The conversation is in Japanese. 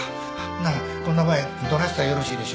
ならこんな場合どないしたらよろしいでしょうか？